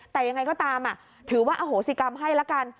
แต่ยังไงก็ตามถือว่าอโหสิกรรมให้ละกัน